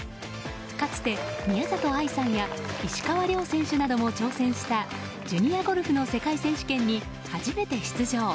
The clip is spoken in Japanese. かつて、宮里藍さんや石川遼選手なども挑戦したジュニアゴルフの世界選手権に初めて出場。